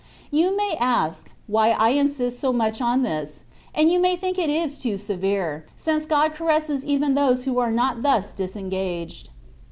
You may ask, why I insist so much on this, and you may think it is too severe, since God caresses even those who are not thus disengaged.